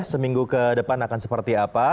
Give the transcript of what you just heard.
seminggu ke depan akan seperti apa